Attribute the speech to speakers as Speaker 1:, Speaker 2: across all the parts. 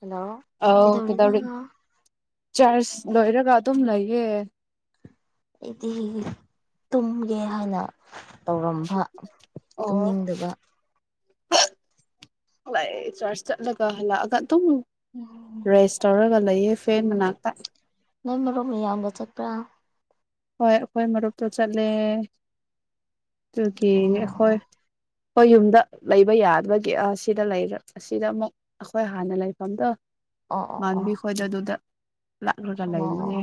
Speaker 1: hello
Speaker 2: ꯑꯧ
Speaker 1: ꯀꯩꯗꯧꯔꯤꯅꯣ
Speaker 2: ꯀꯩꯗꯧꯔꯤ ꯆꯥꯔꯖ ꯂꯣꯏꯔꯒ ꯑꯗꯨꯝ ꯂꯩꯌꯦ
Speaker 1: ꯑꯩꯗꯤ ꯇꯨꯝꯒꯦ ꯍꯥꯏꯅ ꯇꯧꯔꯝꯕ ꯇꯨꯝꯅꯤꯡꯗꯕ
Speaker 2: ꯂꯥꯛꯑ‌ꯦ ꯆꯥꯔꯖ ꯆꯠꯂꯒ ꯍꯜꯂꯛꯑꯒ ꯑꯗꯨ
Speaker 1: ꯎꯝ
Speaker 2: ꯔꯦꯁ ꯇꯧꯔꯒ ꯂꯩꯌꯦ ꯐꯦꯟ
Speaker 1: ꯎꯝ
Speaker 2: ꯃꯅꯥꯛꯇ
Speaker 1: ꯅꯣꯏ ꯃꯔꯨꯞ ꯃꯌꯥꯝꯒ ꯆꯠꯄ꯭ꯔꯥ
Speaker 2: ꯍꯣꯏ ꯑꯩꯈꯣꯏ ꯃꯔꯨꯞꯇꯨ ꯆꯠꯂꯦ ꯑꯗꯨꯒꯤ
Speaker 1: ꯑꯣ
Speaker 2: ꯑꯩꯈꯣꯏ ꯍꯣꯏ ꯌꯨꯝꯗ ꯂꯩꯕ ꯌꯥꯗꯕꯒꯤ ꯁꯤꯗ ꯂꯩꯔ ꯑꯁꯤꯗ ꯑꯃꯨꯛ ꯑꯩꯈꯣꯏ ꯍꯥꯟꯅ ꯂꯩꯐꯝꯗꯣ
Speaker 1: ꯑꯣ ꯑꯣ
Speaker 2: ꯃꯥꯟꯕꯤ ꯈꯣꯏꯗ ꯑꯗꯨꯗ ꯂꯥꯛꯂꯒ
Speaker 1: ꯑꯣ ꯑꯣ ꯑꯣ
Speaker 2: ꯂꯩꯕꯅꯦ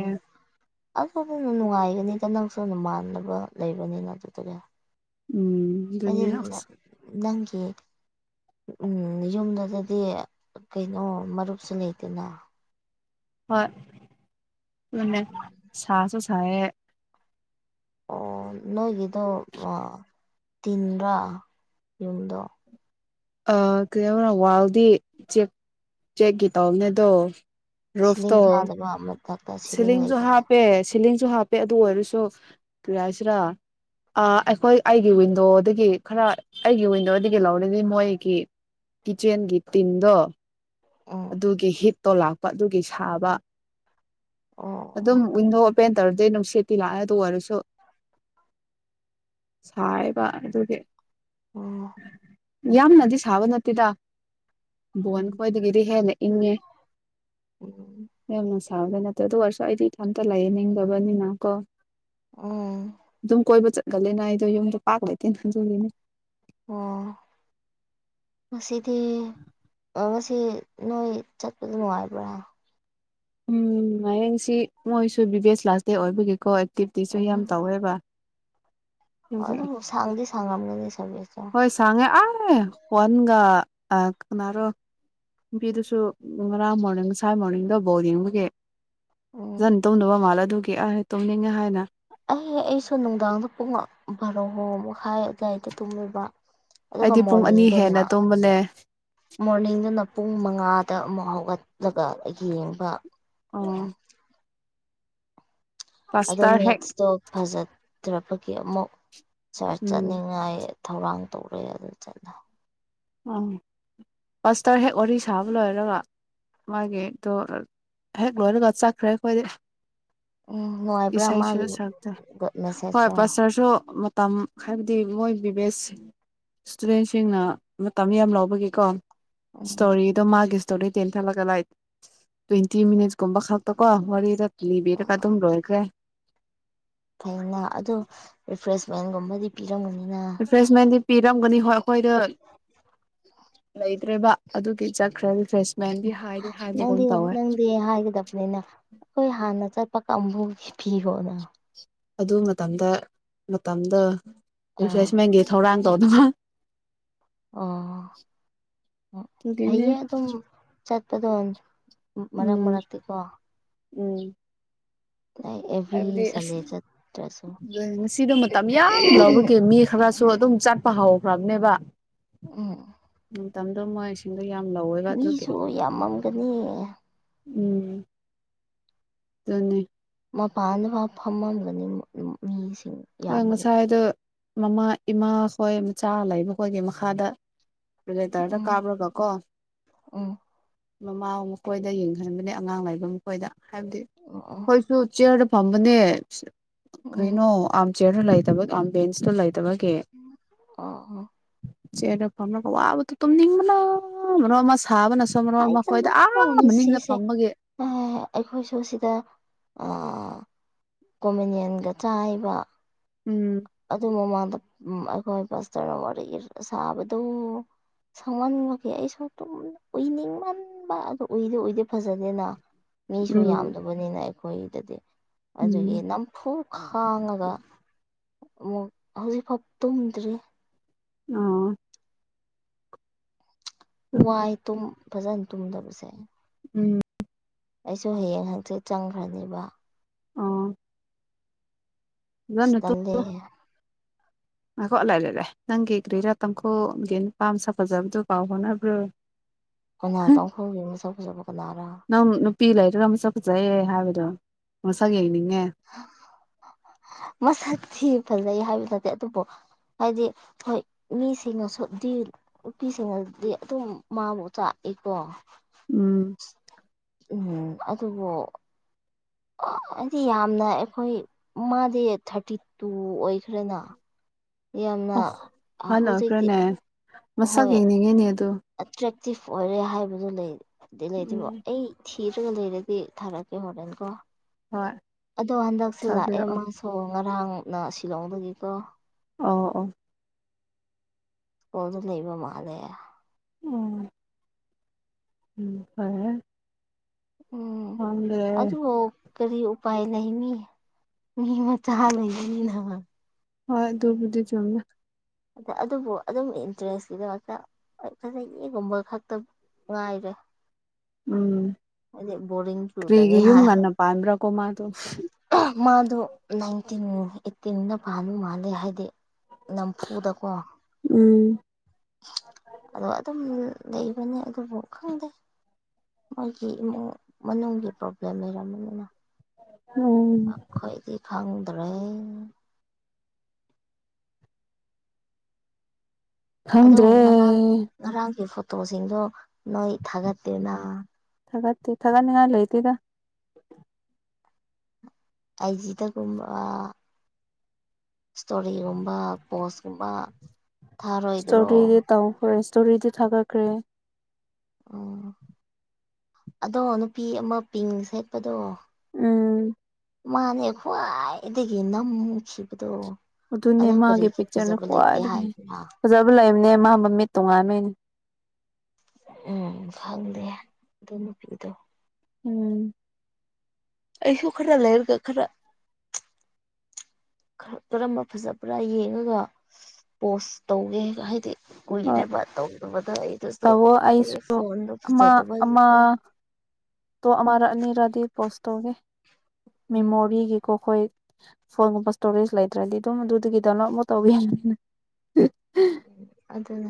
Speaker 1: ꯑꯗꯨꯗꯨꯅ ꯅꯨꯡꯉꯥꯏꯒꯅꯤꯗ ꯅꯪꯁꯨ ꯑꯗꯨ ꯃꯥꯟꯅꯕ ꯂꯩꯕꯅꯤꯅ ꯑꯗꯨꯗꯗꯤ
Speaker 2: ꯎꯝ ꯑꯗꯨꯅꯦ ꯑꯁ
Speaker 1: ꯅꯪꯒꯤ ꯎꯝ ꯌꯨꯝꯗꯨꯗꯗꯤ ꯀꯩꯅꯣ ꯃꯔꯨꯞꯁꯨ ꯂꯩꯇꯦꯅ
Speaker 2: ꯍꯣꯏ ꯑꯗꯨꯅꯦ ꯁꯥꯁꯨ ꯁꯥꯏꯌꯦ
Speaker 1: ꯑꯣ ꯅꯣꯏꯒꯤꯗꯣ ꯇꯤꯟꯔꯥ ꯌꯨꯝꯗꯣ
Speaker 2: ꯀꯩꯗꯧꯔ ꯋꯥꯜꯗꯤ ꯆꯦꯛ ꯆꯦꯛꯀꯤ ꯇꯧꯕꯅꯦ ꯑꯗꯣ ꯔꯨꯐꯇꯣ
Speaker 1: ꯁꯤꯂꯤꯡ ꯈꯥꯗꯕ
Speaker 2: ꯁꯤꯂꯤꯡꯁꯨ ꯍꯥꯞꯄꯦ ꯁꯤꯂꯤꯡꯁꯨ ꯍꯥꯞꯄꯦ ꯑꯗꯨ ꯑꯣꯏꯔꯁꯨ ꯀꯔꯤ ꯍꯥꯏꯁꯤꯔꯥ ꯑ ꯑꯩꯈꯣꯏ ꯑꯩꯒꯤ ꯋꯤꯟꯗꯣꯗꯒꯤ ꯈꯔ ꯑꯩꯒꯤ ꯋꯤꯟꯗꯣꯗꯒꯤ ꯂꯧꯔꯅꯤ ꯃꯣꯏꯒꯤ ꯀꯤꯆꯦꯟꯒꯤ ꯇꯤꯟꯗꯣ
Speaker 1: ꯎꯝ
Speaker 2: ꯑꯗꯨꯒꯤ ꯍꯤꯠꯇꯣ ꯂꯥꯛꯄ ꯑꯗꯨꯒꯤ ꯁꯥꯕ
Speaker 1: ꯑꯣ
Speaker 2: ꯑꯗꯨꯝ
Speaker 1: ꯑꯣ
Speaker 2: ꯋꯤꯟꯗꯣ ꯄꯦꯟ ꯇꯔꯗꯤ ꯅꯨꯡꯁꯤꯠꯇꯤ ꯂꯥꯛꯑ ꯑꯗꯨ ꯑꯣꯏꯔꯁꯨ ꯁꯥꯏꯑꯦꯕ ꯑꯗꯨꯒꯤ
Speaker 1: ꯑꯣ
Speaker 2: ꯌꯥꯝꯅꯗꯤ ꯁꯥꯕ ꯅꯠꯇꯦꯗ ꯕꯣꯟ
Speaker 1: ꯎꯝ
Speaker 2: ꯈꯣꯏꯗꯒꯤ ꯌꯥꯝꯅ ꯏꯪꯉꯦ
Speaker 1: ꯎꯝ
Speaker 2: ꯌꯥꯝꯅ ꯁꯥꯕ ꯅꯠꯇ꯭ꯔꯦ ꯑꯗꯨ ꯑꯣꯏꯔꯁꯨ ꯑꯩꯗꯤ ꯏꯇꯣꯝꯇ ꯂꯩꯅꯤꯡꯗꯕꯅꯤꯅ ꯀꯣ
Speaker 1: ꯑꫭ
Speaker 2: ꯑꯗꯨꯝ ꯀꯣꯏꯕ ꯆꯠꯀꯅꯤꯅ ꯑꯩꯗꯣ ꯌꯨꯝꯗ ꯄꯥꯛ ꯂꯩꯇꯦꯅ ꯑꯗꯨꯒꯤꯅꯤ
Speaker 1: ꯑꯣ ꯉꯥꯁꯤꯗꯤ ꯑꯗꯣ ꯉꯁꯤ ꯅꯣꯏ ꯆꯠꯄꯗ ꯅꯨꯡꯉꯥꯏꯕ꯭ꯔꯥ
Speaker 2: ꯎꯝ ꯅꯨꯡꯉꯥꯏꯌ‌ꯦ ꯉꯥꯁꯤ ꯃꯣꯏꯁꯨ ꯕꯤꯕꯤ ꯑꯦꯁ ꯂꯥꯁ ꯗꯦ ꯑꯣꯏꯕꯒꯤꯀꯣ ꯑꯦꯛꯇꯤꯚꯇꯤꯁꯨ
Speaker 1: ꯎꯝ
Speaker 2: ꯌꯥꯝ ꯇꯧꯋꯦꯕ
Speaker 1: ꯑꯣ
Speaker 2: ꯑꯗꯨꯒꯤ
Speaker 1: ꯑꯗꯨꯕꯨ ꯁꯥꯡꯗꯤ ꯁꯥꯡꯉꯝꯒꯅꯤ ꯁꯕꯖꯦꯛꯇꯣ
Speaker 2: ꯄꯩꯁꯥꯡꯉꯦ ꯑꯥꯔꯦ ꯋꯥꯟꯒ ꯑꯥ ꯀꯅꯥꯔꯣ ꯅꯨꯄꯤꯗꯨꯁꯨ ꯉꯥꯔꯥꯝ ꯃꯣꯔꯅꯤꯡ ꯉꯁꯥꯏ ꯃꯣꯔꯅꯤꯡꯗꯣ ꯕꯣꯜ ꯌꯦꯡꯕꯒꯤ
Speaker 1: ꯎꯝ
Speaker 2: ꯐꯖꯟ ꯇꯨꯝꯗꯕ ꯃꯥꯜꯂꯦ ꯑꯗꯨꯒꯤ ꯑꯏ ꯇꯧꯅꯤꯡꯉꯦ ꯍꯥꯏꯅ
Speaker 1: ꯑꯩ ꯑꯩꯁꯨ ꯅꯨꯡꯗꯥꯡꯗ ꯄꯨꯡ ꯕꯥꯔꯣꯍ ꯃꯈꯥꯏ ꯑꯗꯨꯋꯥꯏꯗ ꯇꯨꯝꯃꯨꯕ ꯑꯗꯨꯒ
Speaker 2: ꯑꯩꯗꯤ ꯄꯨꯡ ꯑꯅꯤ
Speaker 1: ꯃꯣꯔꯅꯤꯡꯗꯨꯅ
Speaker 2: ꯍꯦꯟꯅ ꯇꯨꯝꯕꯅꯦ
Speaker 1: ꯃꯣꯔꯅꯤꯡꯗꯅ ꯄꯨꯡ ꯃꯉꯥꯗ ꯑꯃꯨꯛ ꯍꯧꯒꯠꯂꯒ ꯌꯦꯡꯕ
Speaker 2: ꯑꯣ
Speaker 1: ꯑꯗꯣ
Speaker 2: ꯄꯥꯁꯇꯔ ꯍꯦꯛ
Speaker 1: ꯃꯦꯠꯁꯇꯣ ꯐꯖꯗ꯭ꯔꯕꯒꯤ ꯑꯃꯨꯛ ꯁꯥꯔ
Speaker 2: ꯎꯝ
Speaker 1: ꯆꯠꯅꯤꯡꯉꯥꯏ ꯊꯧꯔꯥꯡ ꯇꯧꯔꯦ ꯑꯗꯨ ꯆꯠꯂ
Speaker 2: ꯎꯝ ꯄꯁꯇꯔ ꯍꯦꯛ ꯋꯥꯔꯤ ꯁꯥꯕ ꯂꯣꯏꯔꯒ ꯃꯥꯒꯤꯗꯣ ꯍꯦꯛ ꯂꯣꯏꯔꯒ ꯆꯠꯈ꯭ꯔꯦ ꯑꯩꯈꯣꯏꯗꯤ
Speaker 1: ꯎꯝ ꯅꯨꯡꯉꯥꯏꯕ꯭ꯔꯥ
Speaker 2: ꯏꯁꯩꯁꯨ
Speaker 1: ꯃꯥꯒꯤ
Speaker 2: ꯁꯛꯇ ꯍꯣꯏ
Speaker 1: ꯃꯦꯁꯦꯖꯇꯣ
Speaker 2: ꯄꯥꯁꯇ꯭ꯔꯁꯨ ꯃꯇꯝ ꯍꯥꯏꯕꯗꯤ ꯃꯣꯏꯕꯤ ꯕꯦꯁ ꯏꯁꯇꯨꯗꯦꯟꯁꯤꯡꯅ ꯃꯇꯝ ꯌꯥꯝ ꯂꯧꯕꯒꯤꯀꯣ
Speaker 1: ꯎꯝ
Speaker 2: ꯁꯇꯣꯔꯤꯗꯣ ꯃꯥꯒꯤꯁ ꯇꯣꯂꯤ ꯇꯦꯟ ꯊꯂꯒ ꯂꯥꯏ ꯇꯋꯦꯟꯇꯤ ꯃꯤꯠ ꯈꯥꯛꯇꯥ ꯀꯣ ꯋꯥꯔꯤꯗ ꯂꯤꯕꯤꯔ ꯀꯥ ꯑꯗꯨꯝ ꯂꯣꯏꯒ꯭ꯔꯦ
Speaker 1: ꯐꯩꯅ ꯑꯗꯣ ꯔꯤꯐ꯭ꯔꯦꯁꯃꯦꯟꯒꯨꯝꯕꯗꯤ ꯄꯤꯔꯝꯒꯅꯤꯅꯥ
Speaker 2: ꯔꯤꯐ꯭ꯔꯦꯁꯃꯦꯟꯗꯤ ꯄꯤꯔꯝꯒꯅꯤ ꯍꯣꯏ ꯑꯩꯈꯣꯏꯗ ꯂꯩꯇ꯭ꯔꯦꯕ ꯑꯗꯨꯒꯤ ꯆꯠꯈ꯭ꯔ ꯔꯤꯐ꯭ꯔꯦꯁ
Speaker 1: ꯅꯪꯗꯤ ꯅꯪꯗꯤ ꯍꯥꯏꯗꯕꯅꯤꯅ ꯑꯩꯈꯣꯏ ꯍꯥꯟꯅ ꯆꯠꯄ ꯀꯥꯡꯕꯨꯒꯤ ꯐꯤꯔꯣꯅ
Speaker 2: ꯑꯗꯨ ꯃꯇꯝꯗ ꯃꯇꯝꯗ
Speaker 1: ꯑꯥ
Speaker 2: ꯔꯤꯐ꯭ꯔꯦꯁꯃꯦꯟꯒꯤ ꯊꯧꯔꯥꯡ ꯇꯧꯅꯕ
Speaker 1: ꯑꯣ
Speaker 2: ꯑꯗꯨꯒꯤꯅꯦ
Speaker 1: ꯐꯩꯌꯦ ꯑꯗꯨꯝ ꯆꯠꯄꯗꯣ ꯃꯔꯛ
Speaker 2: ꯎꯝ
Speaker 1: ꯃꯔꯛꯇꯤꯀꯣ
Speaker 2: ꯎꯝ
Speaker 1: ꯑꯦꯚ꯭ꯔꯤ
Speaker 2: ꯍꯥꯏꯕꯗꯤ
Speaker 1: ꯁꯟꯗꯦ
Speaker 2: ꯑꯁ
Speaker 1: ꯆꯠꯇ꯭ꯔꯁꯨ
Speaker 2: ꯉꯥꯁꯤꯗ ꯃꯇꯝ ꯌꯥꯝ ꯂꯧꯕꯒꯤ ꯃꯤ ꯈꯔꯁꯨ ꯑꯗꯨꯝ ꯆꯠꯄ ꯍꯧꯈ꯭ꯔꯕꯅꯦꯕ
Speaker 1: ꯎꯝ
Speaker 2: ꯎꯝ ꯇꯝ [unintelligible] ꯑꯗꯨ ꯌꯥꯝ ꯂꯧꯋꯦ
Speaker 1: ꯃꯤꯁꯨ ꯌꯥꯝꯃꯝꯒꯅꯤ
Speaker 2: ꯎꯝ ꯆꯅꯤ
Speaker 1: ꯃꯄꯥꯟꯗꯥꯐꯎ ꯐꯝꯃꯝꯒꯅꯤ [unintelligible] ꯃꯤꯁꯤꯡ
Speaker 2: ꯍꯣꯏ
Speaker 1: ꯌꯥꯝꯕꯒꯤ
Speaker 2: ꯉꯁꯥꯏꯗꯣ ꯃꯃꯥ ꯏꯃꯥ ꯍꯣꯏ ꯃꯆꯥ ꯂꯩꯕꯈꯣꯏꯒꯤ ꯃꯈꯥꯗ ꯄ꯭ꯔꯣꯖꯦꯛꯇ꯭ꯔꯗ
Speaker 1: ꯎꯝ
Speaker 2: ꯀꯥꯕꯔꯒꯀꫭ
Speaker 1: ꯎꯝ
Speaker 2: ꯃꯃꯥ ꯃꯈꯣꯏꯗ ꯌꯦꯡꯍꯟꯕꯅꯦ ꯑꯉꯥꯡ ꯂꯩꯕ ꯃꯈꯣꯏꯗ ꯍꯥꯏꯕꯗꯤ
Speaker 1: [unintelligible]
Speaker 2: ꯑꯗꯨ ꯆꯤꯌꯔꯗ ꯐꯝꯕꯅꯦ
Speaker 1: ꯎꯝ
Speaker 2: ꯀꯩꯅꯣ ꯆꯤꯌꯔꯗꯨ ꯂꯩꯇꯕ ꯗꯨꯑꯝ ꯕꯦꯟꯁꯇꯨ ꯂꯩꯇꯕꯒꯤ
Speaker 1: ꯑꯣ ꯑꯣ
Speaker 2: ꯆꯦꯔꯗ ꯐꯝꯔꯒꯥ ꯋꯥꯕꯗꯨ ꯇꯨꯝꯅꯤꯡꯕꯅ ꯃꯔꯣ ꯑꯃ ꯁꯥꯕꯅꯁꯨ ꯃꯔꯣꯟ ꯑꯃ ꯑꯥꯈꯣꯏꯗ ꯑꯥ ꯃꯅꯤꯡꯗ ꯐꯝꯃꯒꯦ
Speaker 1: ꯑꯥ ꯑꯩꯈꯣꯏꯁꯨ ꯁꯤꯗ ꯑꯥ ꯀꯣꯃꯦꯅꯤꯌꯟꯒ ꯆꯥꯏꯕ
Speaker 2: ꯎꯝ
Speaker 1: ꯑꯗꯨ ꯃꯃꯥꯡꯗ ꯑ ꯑꯩꯈꯣꯏ ꯄꯁꯇꯔꯅ ꯋꯥꯔꯤ ꯁꯥꯕꯗꯨ ꯁꯥꯡꯃꯟꯕꯒꯤ ꯑꯩꯁꯨ ꯑꯗꯨꯨꯝ ꯎꯏꯅꯤꯡꯃꯟꯕ ꯑꯗꯨ ꯎꯏꯗꯤ ꯎꯏꯗꯦ ꯐꯖꯗꯦꯅ ꯃꯤꯁꯨ
Speaker 2: ꯎꯝ
Speaker 1: ꯌꯥꯝꯗꯕꯅꯤꯅ ꯑꯩꯈꯣꯏꯗꯗꯤ ꯑꯗꯨꯒꯤ
Speaker 2: ꯎꯝ
Speaker 1: ꯅꯝꯐꯨ ꯈꯥꯡꯉꯒ ꯑꯃꯨꯛ ꯍꯧꯖꯤꯛꯐꯥꯎ ꯇꯨꯝꯗ꯭ꯔꯤ
Speaker 2: ꯑꯣ
Speaker 1: ꯋꯥꯏ ꯇꯨꯝ ꯐꯖꯅ ꯇꯨꯝꯗꯕꯁꯦ
Speaker 2: ꯎꯝ
Speaker 1: ꯑꯩꯁꯨ ꯍꯌꯦꯡ ꯍꯪꯆꯤꯠ ꯆꯪꯈ꯭ꯔꯅꯦꯕ
Speaker 2: ꯑꯣ ꯐꯖꯅ ꯇꯨꯝ
Speaker 1: ꯏꯁꯇꯂꯦ
Speaker 2: ꯉꯥꯏꯈꯣ ꯂꯩꯔꯦ ꯔꯦꯂꯦ ꯅꯪꯒꯤ ꯀ꯭ꯔꯤꯔꯥ ꯇꯥꯡꯈꯨꯜꯒꯤ ꯅꯨꯄꯥ ꯃꯁꯛ ꯐꯖꯕꯗꯨ ꯄꯥꯎ ꯐꯥꯎꯅꯕ꯭ꯔꯣ
Speaker 1: ꯀꯣꯏꯅ ꯇꯈꯨꯜꯒꯤ ꯃꯁꯛ ꯐꯖꯕ ꯀꯅꯥꯔꯥ
Speaker 2: ꯅꯪ ꯅꯨꯄꯤ ꯂꯩꯔꯒ ꯃꯁꯛ ꯐꯖꯩꯑꯦ ꯍꯥꯏꯕꯗꯣ ꯃꯁꯛ ꯌꯦꯡꯅꯤꯡꯉꯦ
Speaker 1: ꯃꯁꯛ ꯊꯤ ꯐꯖꯩ ꯍꯥꯏꯕ ꯅꯠꯇꯦ ꯑꯗꯨꯕꯨ ꯍꯥꯏꯗꯤ ꯍꯣꯏ ꯃꯤꯁꯤꯡꯅꯁꯨꯗꯤ ꯅꯨꯄꯤꯁꯤꯡꯅꯗꯤ ꯑꯗꯨꯝ ꯃꯥꯕꯨ ꯆꯥꯛꯏꯀꯣ
Speaker 2: ꯎꯝ
Speaker 1: ꯎꯝ ꯑꯗꯨꯕꯨ ꯑꯩꯗꯤ ꯌꯥꯝꯅ ꯑꯩꯈꯣꯏ ꯃꯥꯗꯤ ꯊꯥꯔꯇꯤ ꯇꯨ ꯑꯣꯏꯈ꯭ꯔꯦꯅ ꯌꯥꯝꯅ
Speaker 2: ꯑꯣ
Speaker 1: ꯑ
Speaker 2: ꯑꯍꯟ
Speaker 1: ꯍꯧꯖꯤꯛꯇꯤ
Speaker 2: ꯑꯣꯏꯈ꯭ꯔꯦꯅꯦ ꯃꯁꯛ
Speaker 1: ꯍꯣꯏ
Speaker 2: ꯌꯦꯡꯅꯤꯉꯦꯅꯦ ꯑꯗꯨ
Speaker 1: ꯑꯦꯇ꯭ꯔꯦꯛꯇꯤꯞ ꯑꯣꯏꯔꯦ ꯍꯥꯏꯕꯗꯨ ꯂꯩ ꯗꯤꯂꯩ ꯑꯗꯨꯕꯨ
Speaker 2: ꯎꯝ
Speaker 1: ꯑꯩ ꯊꯤꯔꯒ ꯂꯩꯔꯗꯤ ꯊꯥꯔꯛꯀꯦ ꯍꯣꯔꯦꯟꯀꯣ
Speaker 2: ꯍꯣꯏ
Speaker 1: ꯑꯗꯣ ꯍꯟꯗꯛꯁꯦ ꯂꯥꯛꯑꯦ
Speaker 2: ꯊꯥꯕꯤꯔꯛꯑꯣ
Speaker 1: ꯃꯥꯁꯨ ꯉꯔꯥꯡꯅ ꯁꯤꯂꯣꯡꯗꯒꯤꯀꯣ
Speaker 2: ꯑꯣ ꯑꯣ
Speaker 1: ꯀꯣꯜꯗ ꯂꯩꯕ ꯃꯥꯜꯂꯦ
Speaker 2: ꯎꯝ ꯎꯝ ꯐꯔꯦ
Speaker 1: ꯎꯝ
Speaker 2: ꯈꯪꯗꯦ
Speaker 1: ꯑꯗꯨ ꯀꯔꯤ ꯎꯄꯥꯏ ꯂꯩꯅꯤ ꯃꯤ ꯃꯆꯥ ꯂꯩꯕꯅꯤꯅ
Speaker 2: ꯍꯣꯏ ꯑꯗꯨꯕꯨꯗꯤ ꯆꯨꯝꯃꯦ
Speaker 1: ꯑ ꯑꯗꯨꯕꯨ ꯑꯗꯨꯝ ꯏꯟꯇꯔꯦꯁꯀꯤꯗꯃꯛꯇ ꯐꯖꯅ ꯏꯒꯨꯝꯕ ꯈꯛꯇ ꯉꯥꯏꯔꯦ
Speaker 2: ꯎꯝ
Speaker 1: ꯍꯥꯏꯗꯤ ꯕꯣꯔꯤꯡ ꯆꯨꯗꯅꯤ
Speaker 2: ꯀꯔꯤꯒꯤ ꯌꯨꯝ
Speaker 1: ꯍꯥꯏ
Speaker 2: ꯉꯟꯅ ꯄꯥꯟꯕꯔꯥꯀꯣ ꯃꯥꯗꯣ
Speaker 1: ꯃꯥꯗꯣ ꯅꯥꯏꯟꯇꯤꯟ ꯑꯦꯠꯇꯤꯟꯗ ꯄꯥꯜꯕ ꯃꯥꯜꯂꯦ ꯍꯥꯏꯗꯤ ꯅꯝꯐꯨꯗꯀꯣ
Speaker 2: ꯎꯝ
Speaker 1: ꯑꯗꯣ ꯑꯗꯨꯝ ꯂꯩꯕꯅꯦ ꯑꯗꯨꯕꯨ ꯈꯪꯗꯦ ꯃꯣꯏꯒꯤ ꯏꯃꯨꯡ ꯃꯅꯨꯡꯒꯤ ꯄ꯭ꯔꯣꯕ꯭ꯂꯦꯝ ꯂꯩꯔꯝꯃꯅꯤꯅ
Speaker 2: ꯎꯝ
Speaker 1: ꯈꯣꯏꯗꯤ ꯈꯪꯗ꯭ꯔꯦ ꯑꯗꯣ
Speaker 2: ꯈꯪꯗ꯭ꯔꯦ
Speaker 1: ꯉꯔꯥꯡ ꯉꯔꯥꯡꯒꯤ ꯐꯣꯇꯣꯁꯤꯡꯗꯣ ꯅꯣꯏ ꯊꯥꯒꯠꯇꯦꯅꯥ
Speaker 2: ꯊꯥꯒꯠꯇꯦ ꯊꯥꯒꯠꯅꯤꯡꯉꯥꯏ ꯂꯩꯇꯦꯗ
Speaker 1: ꯑꯥꯏꯖꯤꯗꯒꯨꯝꯕ ꯏꯁꯇꯣꯔꯤꯒꯨꯝꯕ ꯄꯣꯁꯀꯨꯝꯕ ꯊꯥꯔꯣꯏꯗ꯭ꯔꯣ
Speaker 2: ꯏꯁꯇꯣꯔꯤꯗꯤ ꯇꯧꯈ꯭ꯔꯦ ꯏꯁꯇꯣꯔꯤꯗꯤ ꯊꯥꯒꯠꯈ꯭ꯔꯦ
Speaker 1: ꯑꯣ ꯑꯗꯣ ꯅꯨꯄꯤ ꯑꯃ ꯄꯤꯡ ꯁꯦꯠꯄꯗꯣ
Speaker 2: ꯎꯝ
Speaker 1: ꯃꯥꯅꯦ ꯈ꯭ꯋꯥꯏꯗꯒꯤ ꯅꯝꯃꯨꯈꯤꯕꯗꯣ
Speaker 2: ꯑꯗꯨꯅꯦ ꯃꯥꯒꯤ ꯄꯤꯛꯆꯔꯅ ꯈ꯭ꯋꯥꯏꯗꯒꯤ
Speaker 1: ꯍꯥꯏꯕ꯭ꯔꯥ
Speaker 2: ꯐꯖꯕ ꯂꯩꯕꯅꯦ ꯃꯥꯥ ꯃꯃꯤꯠ ꯇꯣꯉꯥꯟꯕꯩꯅꯦ
Speaker 1: ꯎꯝ ꯁꯪꯗꯦ ꯑꯗꯨ ꯅꯨꯄꯤꯗꯣ
Speaker 2: ꯎꯝ
Speaker 1: ꯑꯩꯁꯨ ꯈꯔ ꯂꯩꯔꯒ ꯈꯔ ꯀꯔꯝꯕ ꯐꯖꯕꯔꯥ ꯌꯦꯡꯉꯒ ꯄꯣꯁ ꯇꯧꯒꯦꯒ ꯍꯥꯏꯗꯤ
Speaker 2: ꯍꯣꯏ
Speaker 1: ꯀꯣꯏꯔꯦꯕ ꯇꯧꯗꯕꯗ ꯑꯩꯗꯁꯨ
Speaker 2: ꯇꯧꯋꯣ ꯑꯩꯁꯨ
Speaker 1: ꯑꯩ ꯐꯣꯟꯗꯣ ꯐꯖꯥꯗꯕꯒꯤꯀꯣ
Speaker 2: ꯇꯣ ꯑꯃꯔ ꯑꯅꯤꯔꯗꯤ ꯄꯣꯁ ꯇꯧꯒꯦ
Speaker 1: ꯎꯝ
Speaker 2: ꯃꯦꯃꯣꯔꯤꯒꯤꯀꯣ ꯈꯣꯏ ꯐꯣꯟꯒꯨꯝꯕ ꯏꯁꯇꯣꯔꯦꯖ ꯂꯩꯇ꯭ꯔꯗꯤ ꯑꯗꯨꯝ ꯑꯗꯨꯗꯒꯤ ꯗꯃ‌ꯛ ꯃꯣꯇꯧꯕꯤ ꯌꯥꯝꯃꯅꯤ
Speaker 1: ꯎꯝ ꯑꯗꯨꯅꯦ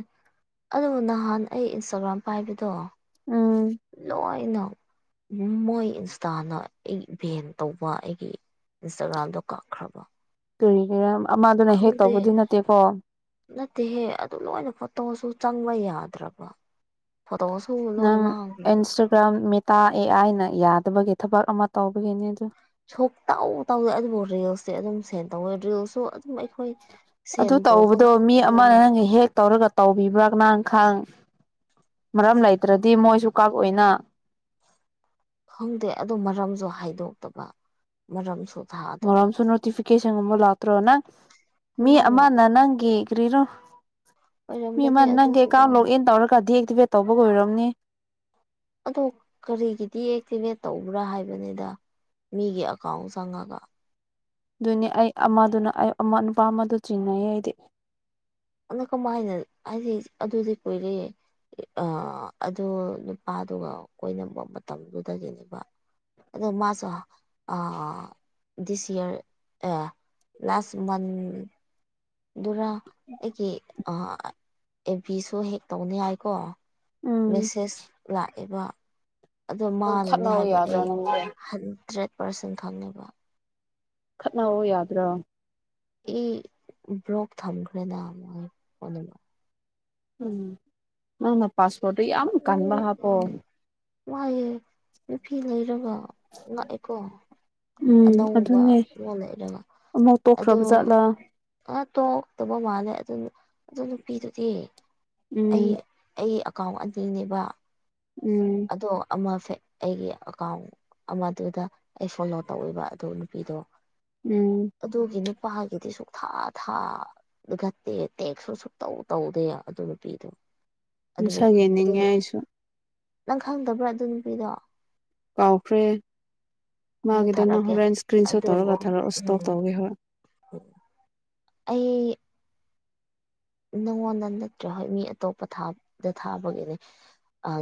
Speaker 1: ꯑꯗꯨꯕꯨ ꯅꯍꯥꯟ ꯑꯩ ꯏꯟꯁꯇꯥꯒ꯭ꯔꯥꯝ ꯄꯥꯏꯕꯗꯣ
Speaker 2: ꯎꯝ
Speaker 1: ꯂꯣꯏꯅ ꯃꯣꯏ ꯏꯟꯁꯇꯥꯅ ꯑꯩꯒꯤ ꯚꯦꯟ ꯇꯧꯕ ꯑꯩꯒꯤ ꯏꯟꯁꯇꯥꯒ꯭ꯔꯥꯝꯗꯣ ꯀꯛꯈ꯭ꯔꯕ
Speaker 2: ꯀꯔꯤꯒꯤꯔ ꯑꯃꯥꯗꯨꯅ ꯍꯦꯛ
Speaker 1: ꯈꯪꯗꯦ
Speaker 2: ꯇꯧꯕꯗꯤ ꯅꯠꯇꯦꯀꯣ
Speaker 1: ꯅꯠꯇꯦꯍꯦ ꯑꯗꯨꯝ ꯂꯣꯏꯅ ꯐꯣꯇꯣꯁꯨ ꯆꯪꯕ ꯌꯥꯗ꯭ꯔꯕ ꯐꯣꯠꯇꯣꯁꯨ
Speaker 2: ꯅꯪ ꯏꯟꯁꯇꯒ꯭ꯔꯥꯝ ꯃꯤꯇꯥ ꯑꯦ ꯑꯥꯏꯅ ꯌꯥꯗꯕꯒꯤ ꯊꯕꯛ ꯑꯃ ꯇꯧꯕꯒꯤꯅꯦ ꯑꯗꯨ
Speaker 1: ꯁꯣꯛꯇꯧ ꯇꯧꯗ ꯑꯗꯨꯕꯨ ꯔꯤꯜꯁꯇꯤ ꯑꯗꯨꯝ ꯁꯦꯟ ꯇꯧꯋꯦ ꯔꯤꯜꯁꯁꯨ ꯑꯗꯨꯝ ꯑꯩꯈꯣꯏ ꯁꯦꯟ
Speaker 2: ꯑꯗꯨ
Speaker 1: ꯇꯧꯕ
Speaker 2: ꯇꯧꯕꯗꯣ ꯃꯤ ꯑꯃꯅ
Speaker 1: ꯈꯛꯇꯅꯅꯦ
Speaker 2: ꯅꯪꯒꯤ ꯍꯦꯛ ꯇꯧꯔꯒ ꯇꯧꯕꯤꯕ꯭ꯔꯥ ꯃꯅ ꯈꯥꯡ ꯃꯔꯝ ꯂꯩꯇ꯭ꯔꯗꯤ ꯃꯣꯏꯁꯨ ꯀꯛꯑꯣꯏꯅ
Speaker 1: ꯈꯪꯗꯦ ꯑꯗꯣ ꯃꯔꯝꯖꯨ ꯍꯥꯏꯗꯣꯛꯇꯕ ꯃꯔꯝ ꯁꯨꯐ
Speaker 2: ꯃꯔꯝꯁꯨ ꯅꯣꯇꯤꯐꯤꯀꯦꯁꯟꯒꯨꯕ ꯂꯇ꯭ꯔꯣ ꯅꯪ ꯃꯤ
Speaker 1: ꯁꯨꯡꯂꯥ
Speaker 2: ꯑꯃꯅ
Speaker 1: ꯂꯥꯛꯇꯦ
Speaker 2: ꯅꯪꯒꯤꯒ꯭ꯔꯤꯔꯣ ꯃꯤ ꯑꯃ
Speaker 1: ꯑꯣꯏꯔꯝꯒꯅꯤ
Speaker 2: ꯅꯪꯒꯤ
Speaker 1: ꯑꯗꯨꯁꯨꯀꯣ
Speaker 2: ꯑꯦꯀꯥꯎꯟ ꯂꯣꯛ ꯏꯟ ꯇꯧꯔꯒ ꯗꯤ ꯑꯦꯛꯇꯤꯚꯦꯠ ꯇꯧꯕꯒ ꯑꯣꯏꯔꯝꯅꯤ
Speaker 1: ꯑꯗꯣ ꯀꯔꯤꯒꯤ ꯗꯤꯑꯦꯛꯇꯤꯚꯦꯠ ꯇꯧꯕ꯭ꯔꯥ ꯍꯥꯏꯕꯅꯤꯗ ꯃꯤꯒꯤ ꯑꯦꯀꯥꯎꯟ ꯆꯪꯉꯒ
Speaker 2: ꯗꯨꯅꯦ ꯑꯩ ꯑꯃꯗꯨꯅ ꯑꯩ ꯑꯃ ꯅꯨꯄꯥ ꯑꯃꯗꯨ ꯆꯤꯡꯅꯩꯌꯦ ꯑꯩꯗꯤ
Speaker 1: ꯑꯅ ꯀꯃꯥꯏꯅ ꯍꯥꯏꯗꯤ ꯑꯗꯨꯗꯤ ꯀꯨꯏꯔꯦꯌꯦ ꯑ ꯑꯗꯨ ꯅꯨꯄꯥꯗꯨꯒ ꯀꯣꯏꯅ ꯃꯇꯝꯗꯨꯗꯒꯤꯅꯦꯕ ꯑꯗꯣ ꯃꯥꯁꯨ ꯑ ꯗꯤꯁ ꯑꯤꯌꯔ ꯑ ꯂꯥꯁ ꯃꯟ ꯗꯨꯔꯥ ꯑꯩꯒꯤ ꯑ ꯑꯦꯕꯤꯁꯨ ꯍꯦꯛ ꯇꯧꯅꯤ ꯌꯥꯏꯀꯣ
Speaker 2: ꯎꯝ
Speaker 1: ꯃꯦꯁꯦꯁ ꯂꯥꯛꯑꯦꯕ ꯑꯗꯣ
Speaker 2: ꯅꯪ
Speaker 1: ꯃꯥꯅꯅꯦ
Speaker 2: ꯈꯠꯅꯧ
Speaker 1: ꯍꯥꯏꯕ
Speaker 2: ꯌꯥꯗ꯭ꯔꯣ
Speaker 1: ꯑꯩ
Speaker 2: ꯅꯪꯗꯤ
Speaker 1: ꯍꯟꯗ꯭ꯔꯦꯠ ꯄꯥꯔꯁꯦꯟ ꯈꯪꯉꯦꯕ
Speaker 2: ꯈꯠꯅꯧꯑꯣ ꯌꯥꯗ꯭ꯔꯣ
Speaker 1: ꯏ ꯕ꯭ꯔꯣꯛ ꯊꯝꯈ꯭ꯔꯦ ꯅꯍꯥꯃꯨꯛ ꯐꯣꯟꯅꯝꯕꯔ
Speaker 2: ꯎꯝ ꯅꯪꯅ ꯄꯥꯁꯄꯣꯔꯠꯇꯣ ꯌꯥꯝ ꯀꯟꯕ ꯍꯥꯞꯄꯣ
Speaker 1: ꯃꯥꯌꯦ ꯅꯨꯄꯤ ꯂꯩꯔꯕ ꯉꯛꯑꯦꯀꯣ
Speaker 2: ꯎꯝ
Speaker 1: ꯑꯅꯧꯕ
Speaker 2: ꯑꯗꯨꯅꯦ
Speaker 1: ꯑꯃ ꯂꯩꯔꯕ
Speaker 2: ꯑꯃꯨꯛ
Speaker 1: ꯑꯗꯣ
Speaker 2: ꯇꯣꯛꯈ꯭ꯔꯕ ꯖꯥꯠꯂꯥ
Speaker 1: ꯑ ꯇꯣꯛꯇꯕ ꯃꯥꯜꯂꯦ ꯑꯗꯨ ꯅꯨ ꯑꯗꯨ ꯅꯨꯄꯤꯗꯨꯗꯤ ꯑꯩ
Speaker 2: ꯎꯝ
Speaker 1: ꯑꯩ ꯑꯀꯥꯎ ꯑꯅꯤꯅꯦꯕ
Speaker 2: ꯎꯝ
Speaker 1: ꯑꯗꯣ ꯑꯃ ꯐꯦꯛ ꯑꯩꯒꯤ ꯑꯦꯀꯥꯎꯟ ꯑꯃꯗꯨꯗ ꯑꯩ ꯐꯣꯂꯣ ꯇꯧꯋꯕ ꯑꯗꯨ ꯅꯨꯄꯤꯗꯣ
Speaker 2: ꯎꯝ
Speaker 1: ꯑꯗꯨꯒꯤ ꯅꯨꯄꯥꯒꯤꯗꯤ ꯁꯨꯛꯊꯥ ꯊꯥ ꯑꯗꯨ ꯇꯦꯛ ꯇꯦꯛꯁꯨ ꯁꯨ ꯇꯧ ꯇꯧꯗꯦ ꯑꯗꯨ ꯅꯨꯄꯤꯗꯣ ꯑꯗꯨꯕꯨ
Speaker 2: ꯅꯨꯡꯁꯥ
Speaker 1: ꯑꯗꯨ
Speaker 2: ꯌꯦꯡꯅꯤꯡꯉꯦ ꯑꯩꯁꯨ
Speaker 1: ꯅꯪ ꯈꯪꯗꯕ꯭ꯔꯥ ꯑꯗꯨ ꯅꯨꯄꯤꯗꯣ
Speaker 2: ꯀꯥꯎꯈ꯭ꯔꯦ
Speaker 1: ꯑꯃꯨꯛ
Speaker 2: ꯃꯥꯒꯤꯗꫭ ꯅꯪ
Speaker 1: ꯊꯥꯔꯛꯀꯦ
Speaker 2: ꯍꯣꯔꯦꯟ ꯏꯁꯀ꯭ꯔꯤꯟ ꯁꯣꯠ
Speaker 1: ꯑꯗꯨꯕꯨ
Speaker 2: ꯇꯧꯔꯒ ꯊꯥꯔꯛꯑꯣ
Speaker 1: ꯎꯝ
Speaker 2: ꯏꯁꯇꯣꯛ ꯇꯧꯒꯦ ꯍꯣꯏ
Speaker 1: [inaudible] ꯑꯩ ꯅꯉꯣꯟꯗ ꯅꯠꯇ꯭ꯔꯥ ꯍꯣꯏ ꯃꯤ ꯑꯇꯣꯞꯄꯥꯗ ꯊꯥꯕꯒꯤꯅꯦ ꯑ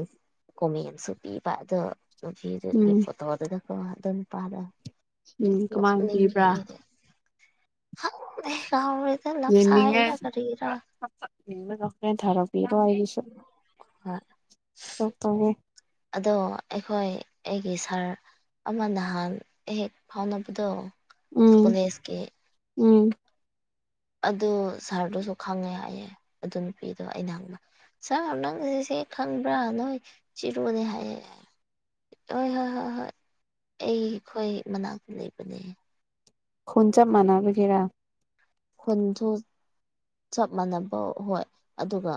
Speaker 1: ꯀꯣꯃꯦꯟꯁꯨ ꯄꯤꯕ ꯑꯗꯨ ꯅꯨꯄꯤꯗꯨꯒꯤ
Speaker 2: ꯎꯝ
Speaker 1: ꯐꯣꯇꯣꯗꯨꯗ ꯀꫭ ꯑꯗꯨ ꯅꯨꯄꯥꯗꫭ
Speaker 2: ꯎꯝ ꯀꯃꯥꯏꯅ
Speaker 1: ꯅꫭꯛꯅꯤꯡꯉꯦ
Speaker 2: ꯄꯤꯕ꯭ꯔꯥ
Speaker 1: ꯑꯩꯗꯤ ꯈꯪꯗꯦ ꯀꯥꯎꯔꯦꯗ
Speaker 2: ꯌꯦꯡꯅꯤꯡꯉꯦ
Speaker 1: ꯂꯞꯁꯥꯏꯔ ꯀꯔꯤꯔꯥ
Speaker 2: [unintelligible]
Speaker 1: ꯍꯣꯏ
Speaker 2: ꯇꯦꯛ ꯇꯧꯒꯦ
Speaker 1: ꯑꯗꯣ ꯑꯩꯈꯣꯏ ꯑꯩꯒꯤ ꯁꯥꯔ ꯑꯃ ꯅꯍꯥꯟ ꯍꯦꯛ ꯐꯥꯎꯅꯕꯗꯣ
Speaker 2: ꯎꯝ
Speaker 1: ꯀꯣꯂꯦꯖꯀꯤ
Speaker 2: ꯎꯝ
Speaker 1: ꯑꯗꯨ ꯁꯥꯔꯗꯨꯁꯨ ꯈꯪꯉꯦ ꯍꯥꯏꯌꯦ ꯑꯗꯨ ꯅꯨꯄꯤꯗꯣ ꯍꯪꯕꯗ ꯁꯥꯔ ꯅꯪ ꯁꯤ ꯁꯦ ꯈꯪꯕ꯭ꯔꯥ ꯅꯣꯏ ꯆꯤꯔꯨꯅꯦ ꯍꯥꯏꯌꯦ ꯍꯣꯏ ꯍꯣꯏ ꯍꯣꯏ ꯍꯣꯏ ꯑꯩ ꯑꯩꯈꯣꯏ ꯃꯅꯥꯛꯇ ꯂꯩꯕꯅꯦ
Speaker 2: ꯈꯣꯟ ꯆꯞ ꯃꯟꯅꯥꯕ ꯒꯦꯔꯥ
Speaker 1: ꯈꯨꯟꯁꯨ ꯆꯞ ꯃꯥꯟꯅꯕ ꯍꯣꯏ ꯑꯗꯨꯒ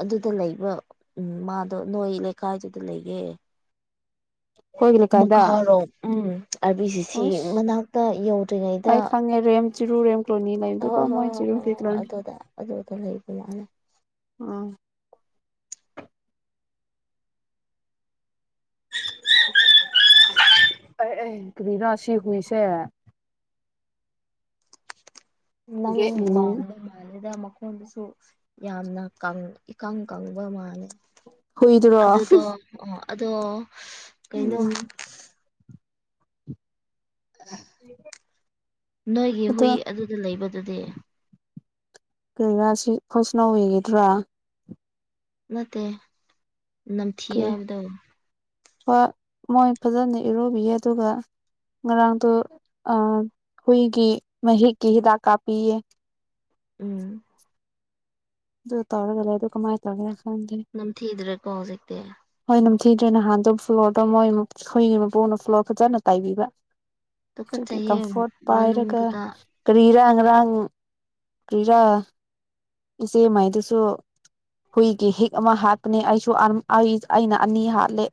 Speaker 1: ꯑꯗꯨꯗ ꯂꯩꯕ ꯎꯝ ꯃꯥꯗꯣ ꯅꯣꯏ ꯂꯩꯀꯥꯏꯗꯨꯗ ꯂꯩꯒꯦ
Speaker 2: ꯑꯩꯈꯣꯏꯒꯤ ꯂꯩꯀꯥꯏꯗ
Speaker 1: ꯃꯈꯥꯔꯣꯝ ꯎꯝ ꯑꯥꯔꯕꯤꯁꯤ ꯁꯤ ꯃꯅꯥꯛꯇ ꯌꯧꯗ꯭ꯔꯤꯉꯩꯗ
Speaker 2: ꯉꯦꯔꯦꯝ ꯆꯤꯔꯨꯔꯦꯝ
Speaker 1: ꯍꯣꯏ ꯍꯣꯏ ꯍꯣꯏ ꯍꯣꯏ ꯑꯗꯨꯗ ꯑꯗꯨꯗ ꯂꯩꯕ ꯌꯥꯅꯤ
Speaker 2: ꯎꯝ ꯑꯩ ꯑꯧ ꯀꯔꯤꯔ ꯁꯤ ꯍꯨꯏꯁꯦ
Speaker 1: ꯅꯪ
Speaker 2: ꯒꯦꯠ
Speaker 1: ꯃꯥꯟꯕ
Speaker 2: ꯃꯅꯨꯡ
Speaker 1: ꯃꯥꯟꯂꯦꯗ ꯃ ꯑꯩꯣꯟꯗꯁꯨ ꯌꯥꯝꯅ ꯀꯪ ꯏꯀꯪ ꯀꯪꯕ ꯃꯥꯜꯂꯦ
Speaker 2: ꯍꯨꯏꯗꯨꯔꯣ
Speaker 1: ꯑꯗꯨꯗꯣ ꯑꯣ ꯑꯗꯣ ꯀꯩꯅꯣ
Speaker 2: ꯎꯝ
Speaker 1: ꯅꯣꯏꯒꯤ ꯍꯨꯏ ꯑꯗꯨꯗ ꯂꯩꯕꯗꯨꯗꯤ
Speaker 2: ꯀꯩꯔꯥꯁꯤ ꯐꯣꯁꯅꯧ ꯑꯣꯏꯒꯗ꯭ꯔꯥ
Speaker 1: ꯅꯠꯇꯦ ꯅꯝꯊꯤ
Speaker 2: ꯀꯔꯤ
Speaker 1: ꯍꯥꯏꯕꯗꯣ
Speaker 2: ꯍꯣꯏ ꯃꯣꯏ ꯐꯖꯅ ꯏꯔꯨꯕꯤꯌꯦ ꯑꯗꯨꯒ ꯉꯔꯥꯡꯗꯣ ꯑ ꯍꯨꯏꯒꯤ ꯃꯍꯤꯛꯀꯤ ꯍꯤꯗꯥꯛ ꯀꯥꯞꯄꯤꯌꯦ
Speaker 1: ꯎꯝ
Speaker 2: ꯑꯗꯨ ꯇꯧꯔꯒ ꯂ ꯩꯕꯗꯨ ꯀꯃꯥꯥꯏ ꯇꯧꯒꯦ ꯈꯪꯗꯦ
Speaker 1: ꯅꯝꯊꯤꯗ꯭ꯔꯦꯀꯣ ꯍꯧꯖꯤꯛꯇꯤ
Speaker 2: ꯍꯣꯏ ꯅꯤꯡꯊꯤꯗ꯭ꯔꯦ ꯅꯍꯥꯟꯗꯣ ꯐ꯭ꯂꯣꯔꯗꯣ ꯃꯣꯏ ꯑꯩꯈꯣꯏꯒꯤ ꯃꯄꯨꯅ ꯐ꯭ꯂꯣꯔ ꯐꯖꯅ ꯇꯥꯏꯕꯤꯕ ꯑꯗꯨꯒꯤ
Speaker 1: ꯇꯨꯀꯠꯆꯩꯌꯦ
Speaker 2: ꯀꯝꯐꯣꯔꯠ ꯄꯥꯏꯔꯒ
Speaker 1: ꯃꯅꯨꯡꯗꯨꯗ
Speaker 2: ꯀꯔꯤꯔꯪ ꯉꯔꯥꯡ ꯀꯔꯤꯔꯥ ꯏꯆꯦ ꯃꯥꯏꯗꯨꯁꯨ ꯍꯨꯏꯒꯤ ꯍꯤꯛ ꯑꯃ ꯍꯥꯞꯄꯅꯦ ꯑꯩꯁꯨ ꯑꯩ ꯑꯩꯅ ꯑꯅꯤ ꯍꯥꯠꯂꯦ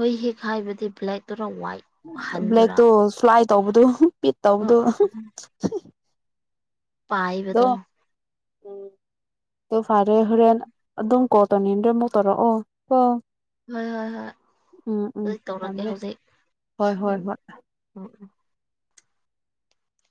Speaker 1: ꯍꯣꯏ ꯍꯦꯛ ꯍꯥꯏꯕꯗꯤ ꯕ꯭ꯂꯦꯗꯨꯔ ꯋꯥꯏꯠ ꯍꯟꯗꯨꯔꯥ
Speaker 2: ꯕ꯭ꯂꯦꯛꯇꯣ ꯁ꯭ꯂꯥꯏ ꯇꯧꯕꯗꯨ ꯄꯤꯠ
Speaker 1: ꯑꯣ
Speaker 2: ꯇꯧꯕꯗꯨꯣ
Speaker 1: ꯑꯣ ꯄꯥꯏꯕꯗꯣ
Speaker 2: ꯎ ꯐꯔꯦ ꯍꯔꯦꯟ ꯑꯗꯨꯝ ꯀꯣ ꯇꯅꯤꯗꯦ ꯃꯨ ꯇꯧꯔꯣꯑꯣ ꯑꯣ ꯑꯣ
Speaker 1: ꯍꯣꯏ ꯍꯣꯏ ꯍꯣꯏ ꯍꯧ ꯇꯧꯔꯛꯀꯦ
Speaker 2: ꯊꯝꯃꯦ
Speaker 1: ꯍꯧꯖꯤꯛ
Speaker 2: ꯍꯣꯏ ꯍꯣꯏ
Speaker 1: ꯎꯝ
Speaker 2: ꯍꯣꯏ
Speaker 1: ꯎꯝ